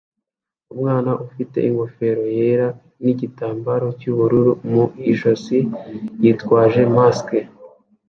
Umwana ufite ingofero yera nigitambaro cyubururu mu ijosi yitwaje mask